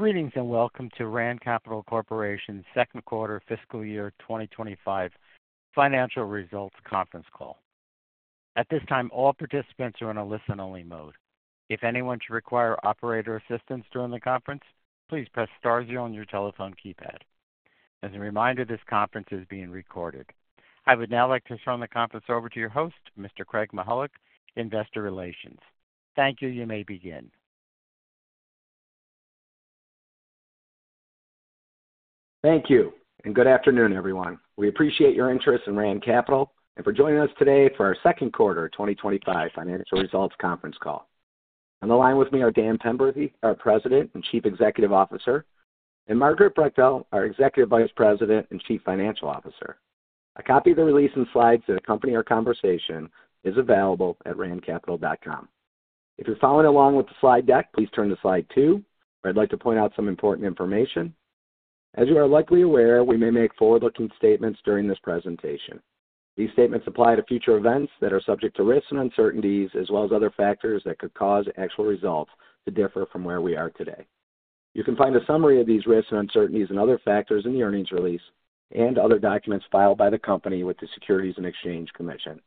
Greetings and welcome to Rand Capital Corporation's Second Quarter Fiscal Year 2025 Financial Results Conference Call. At this time, all participants are in a listen-only mode. If anyone should require operator assistance during the conference, please press star zero on your telephone keypad. As a reminder, this conference is being recorded. I would now like to turn the conference over to your host, Mr. Craig Mychajluk, Investor Relations. Thank you. You may begin. Thank you, and good afternoon, everyone. We appreciate your interest in Rand Capital and for joining us today for our Second Quarter2025 Financial Results Conference Call. On the line with me are Dan Penberthy, our President and ef Executive Officer, and Margaret Brechtel, our Executive Vice President and Chief Financial Officer. A copy of the release and slides that accompany our conversation is available at randcapital.com. If you're following along with the slide deck, please turn to slide two, where I'd like to point out some important information. As you are likely aware, we may make forward-looking statements during this presentation. These statements apply to future events that are subject to risks and uncertainties, as well as other factors that could cause actual results to differ from where we are today. You can find a summary of these risks and uncertainties and other factors in the earnings release and other documents filed by the company with the Securities and Exchange Commission.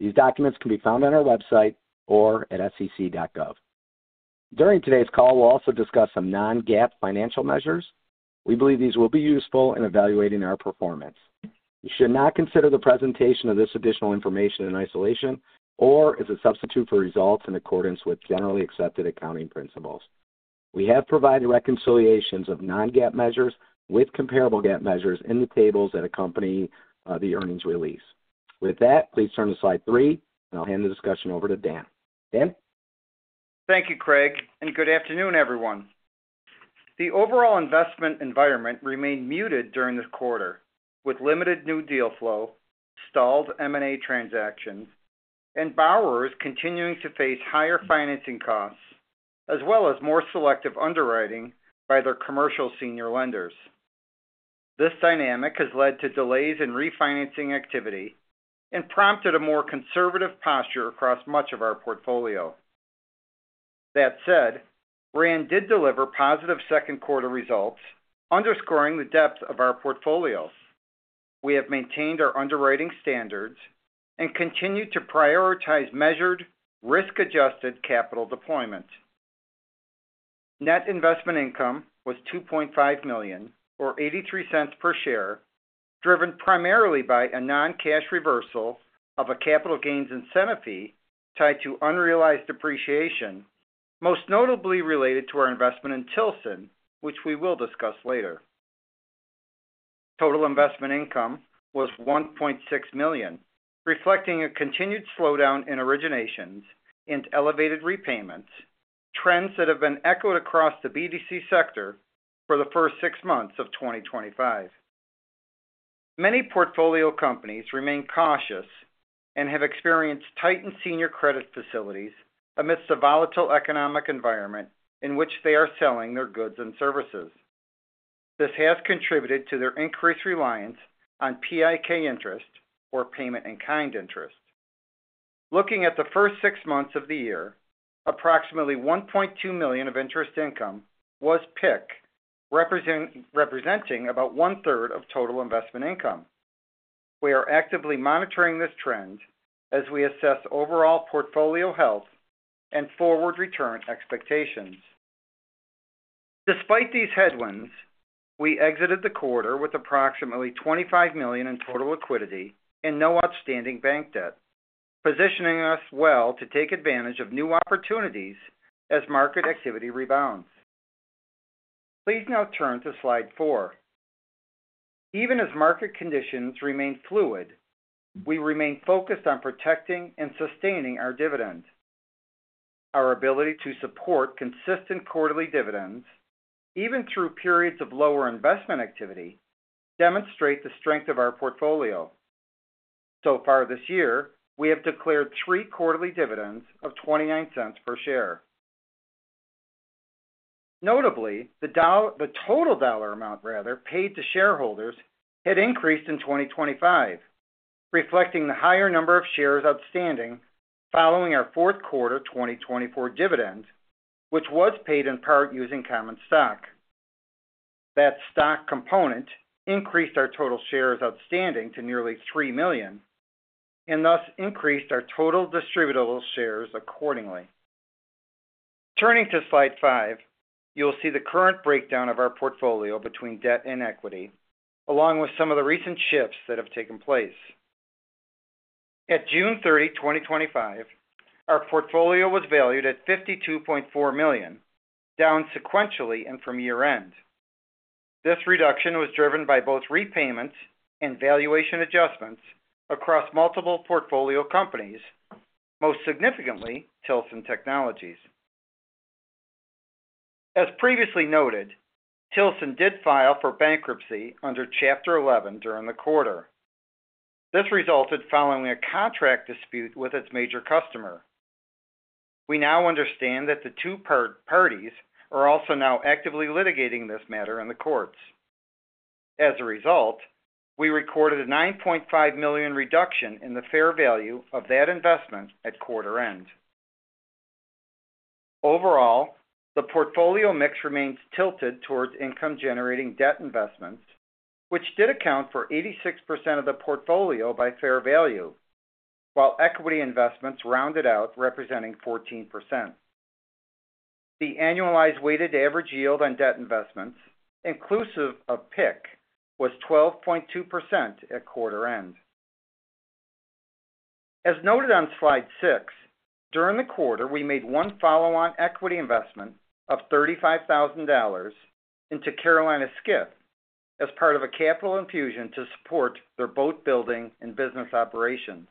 These documents can be found on our website or at sec.gov. During today's call, we'll also discuss some non-GAAP financial measures. We believe these will be useful in evaluating our performance. You should not consider the presentation of this additional information in isolation or as a substitute for results in accordance with generally accepted accounting principles. We have provided reconciliations of non-GAAP measures with comparable GAAP measures in the tables that accompany the earnings release. With that, please turn to slide three, and I'll hand the discussion over to Dan. Dan? Thank you, Craig, and good afternoon, everyone. The overall investment environment remained muted during this quarter, with limited new deal flow, stalled M&A transaction, and borrowers continuing to face higher financing costs, as well as more selective underwriting by their commercial senior lenders. This dynamic has led to delays in refinancing activity and prompted a more conservative posture across much of our portfolio. That said, Rand did deliver positive second-quarter results, underscoring the depth of our portfolio. We have maintained our underwriting standards and continued to prioritize measured, risk-adjusted capital deployment. Net investment income was $2.5 million or $0.83 per share, driven primarily by a non-cash reversal of a capital gains incentive fee tied to unrealized depreciation, most notably related to our investment in Tilson, which we will discuss later. Total investment income was $1.6 million, reflecting a continued slowdown in originations and elevated repayments, trends that have been echoed across the BDC sector for the first six months of 2025. Many portfolio companies remain cautious and have experienced tightened senior credit facilities amidst the volatile economic environment in which they are selling their goods and services. This has contributed to their increased reliance on PIK interest or payment-in-kind interest. Looking at the first six months of the year, approximately $1.2 million of interest income was PIK, representing about 1/3 of total investment income. We are actively monitoring this trend as we assess overall portfolio health and forward return expectations. Despite these headwinds, we exited the quarter with approximately $25 million in total liquidity and no outstanding bank debt, positioning us well to take advantage of new opportunities as market activity rebounds. Please now turn to slide four. Even as market conditions remain fluid, we remain focused on protecting and sustaining our dividend. Our ability to support consistent quarterly dividends, even through periods of lower investment activity, demonstrates the strength of our portfolio. So far this year, we have declared three quarterly dividends of $0.29 per share. Notably, the total dollar amount paid to shareholders had increased in 2025, reflecting the higher number of shares outstanding following our fourth quarter 2024 dividend, which was paid in part using common stock. That stock component increased our total shares outstanding to nearly $3 million and thus increased our total distributable shares accordingly. Turning to slide five, you'll see the current breakdown of our portfolio between debt and equity, along with some of the recent shifts that have taken place. At June 30, 2025, our portfolio was valued at $52.4 million, down sequentially and from year-end. This reduction was driven by both repayments and valuation adjustments across multiple portfolio companies, most significantly Tilson Technologies. As previously noted, Tilson did file for bankruptcy under Chapter 11 during the quarter. This resulted following a contract dispute with its major customer. We now understand that the two parties are also now actively litigating this matter in the courts. As a result, we recorded a $9.5 million reduction in the fair value of that investment at quarter end. Overall, the portfolio mix remains tilted towards income-generating debt investments, which did account for 86% of the portfolio by fair value, while equity investments rounded out, representing 14%. The annualized weighted average yield on debt investments, inclusive of PIK, was 12.2% at quarter end. As noted on slide six, during the quarter, we made one follow-on equity investment of $35,000 into Carolina Skiff as part of a capital infusion to support their boat building and business operation.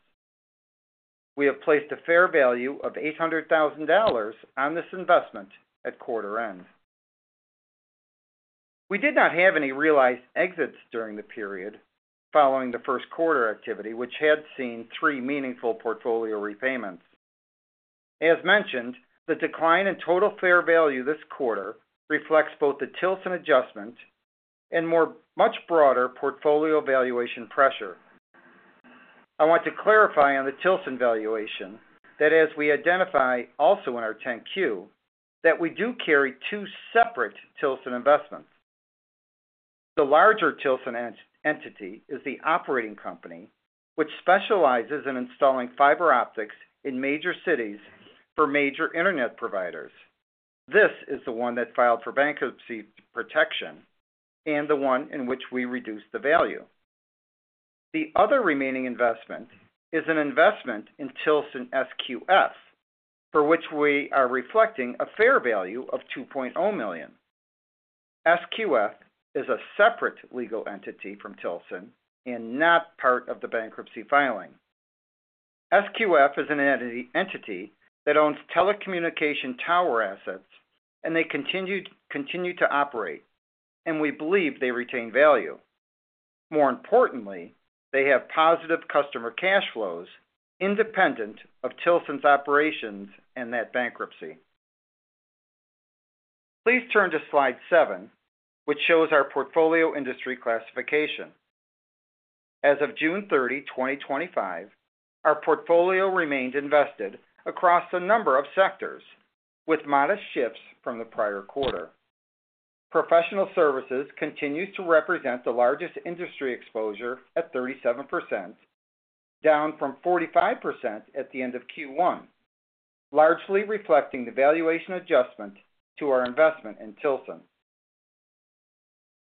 We have placed a fair value of $800,000 on this investment at quarter end. We did not have any realized exits during the period following the first quarter activity, which had seen three meaningful portfolio repayments. As mentioned, the decline in total fair value this quarter reflects both the Tilson adjustment and much broader portfolio valuation pressure. I want to clarify on the Tilson valuation that as we identify also in our 10-Q, that we do carry two separate Tilson investments. The larger Tilson entity is the operating company, which specializes in installing fiber optics in major cities for major internet providers. This is the one that filed for bankruptcy protection and the one in which we reduced the value. The other remaining investment is an investment in Tilson SQF, for which we are reflecting a fair value of $2.0 million. SQF is a separate legal entity from Tilson and not part of the bankruptcy filing. SQF is an entity that owns telecommunication tower assets, and they continue to operate, and we believe they retain value. More importantly, they have positive customer cash flows independent of Tilson's operations and that bankruptcy. Please turn to slide seven, which shows our portfolio industry classification. As of June 30, 2025, our portfolio remained invested across a number of sectors, with modest shifts from the prior quarter. Professional services continues to represent the largest industry exposure at 37%, down from 45% at the end of Q1, largely reflecting the valuation adjustment to our investment in Tilson.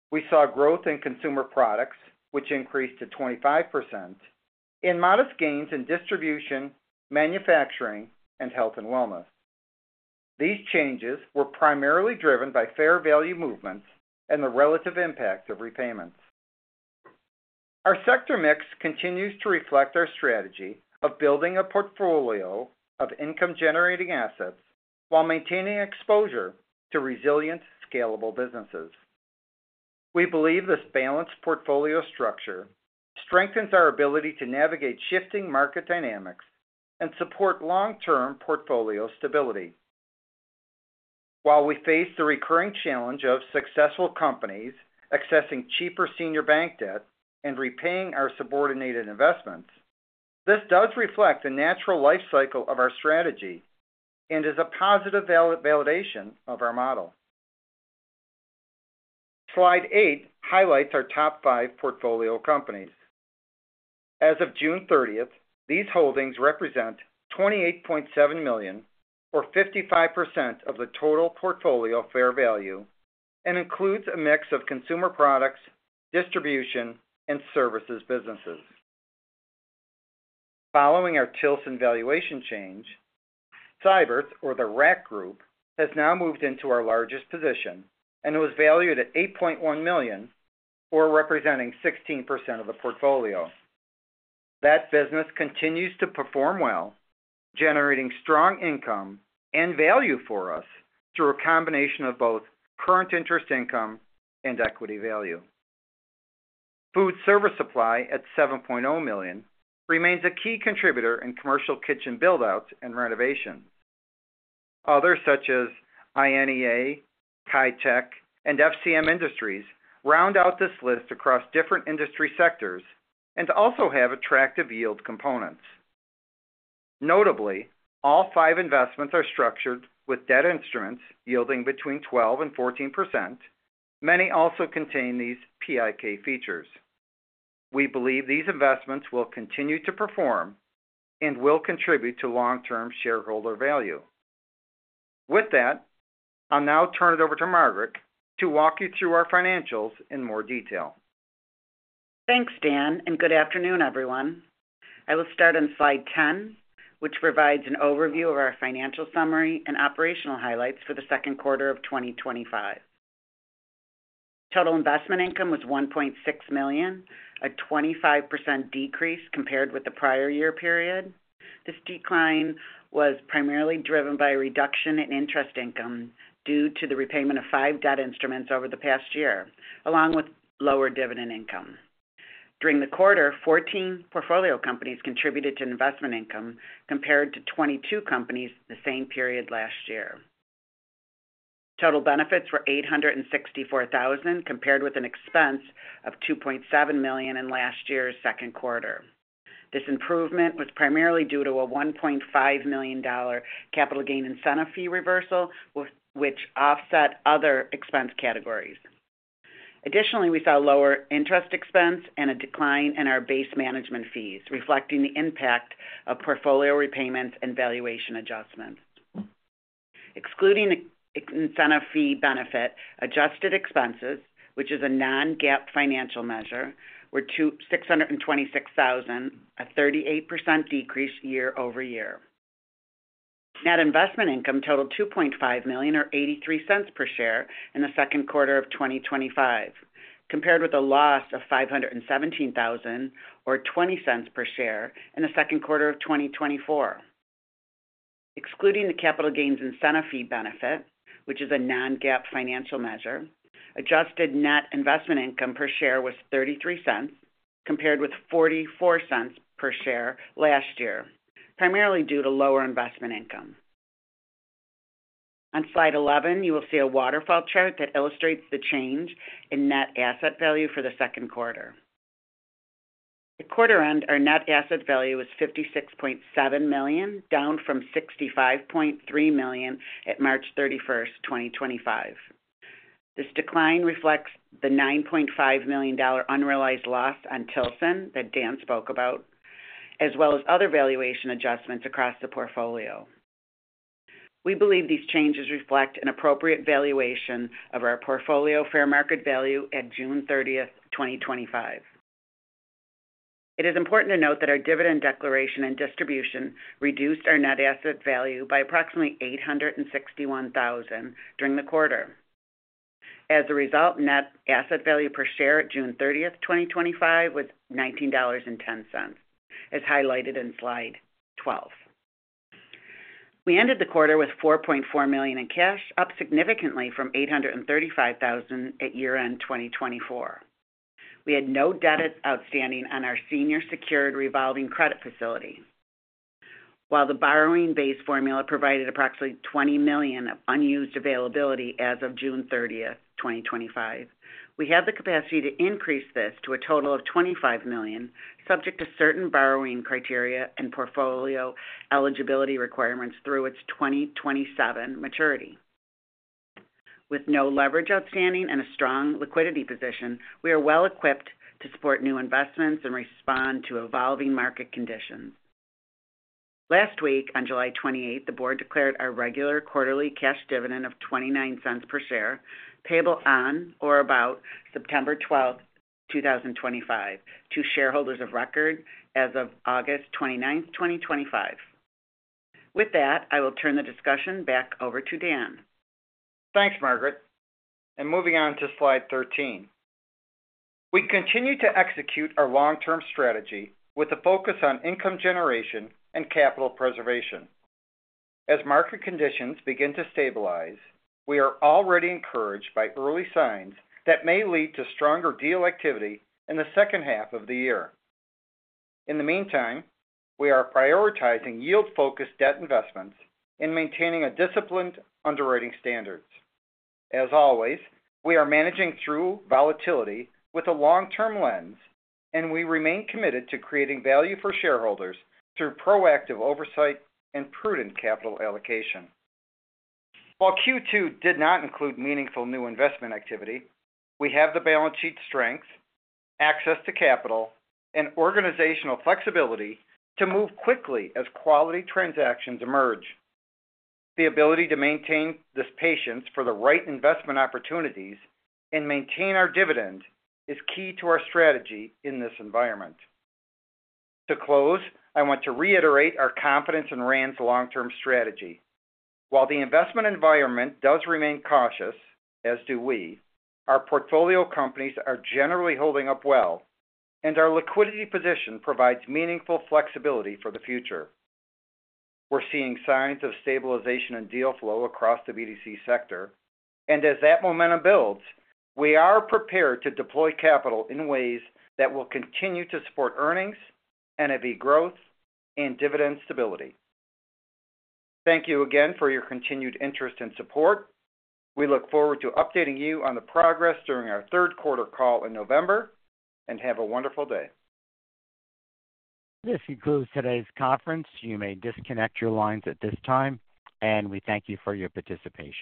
We saw growth in consumer products, which increased to 25%, and modest gains in distribution, manufacturing, and health and wellness. These changes were primarily driven by fair value movements and the relative impact of repayments. Our sector mix continues to reflect our strategy of building a portfolio of income-generating assets while maintaining exposure to resilient, scalable businesses. We believe this balanced portfolio structure strengthens our ability to navigate shifting market dynamics and support long-term portfolio stability. While we face the recurring challenge of successful companies accessing cheaper senior bank debt and repaying our subordinated investments, this does reflect the natural life cycle of our strategy and is a positive validation of our model. Slide eight highlights our top five portfolio companies. As of June 30th, these holdings represent $28.7 million, or 55% of the total portfolio fair value, and include a mix of consumer products, distribution, and services businesses. Following our Tilson valuation change, Seybert or The Rack Group has now moved into our largest position and was valued at $8.1 million or representing 16% of the portfolio. That business continues to perform well, generating strong income and value for us through a combination of both current interest income and equity value. Food Service Supply at $7.0 million remains a key contributor in commercial kitchen build-outs and renovations. Others such as INEA, [Chi Tech], and FCM Industries round out this list across different industry sectors and also have attractive yield components. Notably, all five investments are structured with debt instruments yielding between 12% and 14%. Many also contain these PIK features. We believe these investments will continue to perform and will contribute to long-term shareholder value. With that, I'll now turn it over to Margaret to walk you through our financials in more detail. Thanks, Dan, and good afternoon, everyone. I will start on slide 10, which provides an overview of our financial summary and operational highlights for the second quarter of 2025. Total investment income was $1.6 million, a 25% decrease compared with the prior year period. This decline was primarily driven by a reduction in interest income due to the repayment of five debt instruments over the past year, along with lower dividend income. During the quarter, 14 portfolio companies contributed to investment income compared to 22 companies the same period last year. Total benefits were $864,000 compared with an expense of $2.7 million in last year's second quarter. This improvement was primarily due to a $1.5 million capital gains incentive fee reversal, which offset other expense categories. Additionally, we saw lower interest expense and a decline in our base management fees, reflecting the impact of portfolio repayments and valuation adjustments. Excluding the incentive fee benefit, adjusted expenses, which is a non-GAAP financial measure, were $626,000, a 38% decrease year-over-year. Net investment income totaled $2.5 million or $0.83 per share in the second quarter of 2025, compared with a loss of $517,000 or $0.20 per share in the second quarter of 2024. Excluding the capital gains incentive fee benefit, which is a non-GAAP financial measure, adjusted net investment income per share was $0.33, compared with $0.44 per share last year, primarily due to lower investment income. On slide 11, you will see a waterfall chart that illustrates the change in net asset value for the second quarter. At quarter end, our net asset value was $56.7 million, down from $65.3 million at March 31, 2025. This decline reflects the $9.5 million unrealized loss on Tilson that Dan spoke about, as well as other valuation adjustments across the portfolio. We believe these changes reflect an appropriate valuation of our portfolio fair market value at June 30th, 2025. It is important to note that our dividend declaration and distribution reduced our net asset value by approximately $861,000 during the quarter. As a result, net asset value per share at June 30th, 2025, was $19.10, as highlighted in slide 12. We ended the quarter with $4.4 million in cash, up significantly from $835,000 at year-end 2024. We had no debt outstanding on our senior secured revolving credit facility. While the borrowing base formula provided approximately $20 million of unused availability as of June 30th, 2025, we have the capacity to increase this to a total of $25 million, subject to certain borrowing criteria and portfolio eligibility requirements through its 2027 maturity. With no leverage outstanding and a strong liquidity position, we are well equipped to support new investments and respond to evolving market conditions. Last week, on July 28, the board declared our regular quarterly cash dividend of $0.29 per share, payable on or about September 12, 2025, to shareholders of record as of August 29th, 2025. With that, I will turn the discussion back over to Dan. Thanks, Margaret. Moving on to slide 13. We continue to execute our long-term strategy with a focus on income generation and capital preservation. As market conditions begin to stabilize, we are already encouraged by early signs that may lead to stronger deal activity in the second half of the year. In the meantime, we are prioritizing yield-focused debt investments and maintaining a disciplined underwriting standards. As always, we are managing through volatility with a long-term lens, and we remain committed to creating value for shareholders through proactive oversight and prudent capital allocation. While Q2 did not include meaningful new investment activity, we have the balance sheet strength, access to capital, and organizational flexibility to move quickly as quality transactions emerge. The ability to maintain this patience for the right investment opportunities and maintain our dividend is key to our strategy in this environment. To close, I want to reiterate our confidence in Rand's long-term strategy. While the investment environment does remain cautious, as do we, our portfolio companies are generally holding up well, and our liquidity position provides meaningful flexibility for the future. We're seeing signs of stabilization in deal flow across the BDC sector, and as that momentum builds, we are prepared to deploy capital in ways that will continue to support earnings, NAV growth, and dividend stability. Thank you again for your continued interest and support. We look forward to updating you on the progress during our third quarter call in November, and have a wonderful day. This concludes today's conference. You may disconnect your lines at this time, and we thank you for your participation.